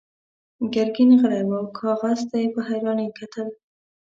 ګرګين غلی و، کاغذ ته يې په حيرانۍ کتل.